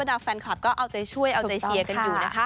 ดาแฟนคลับก็เอาใจช่วยเอาใจเชียร์กันอยู่นะคะ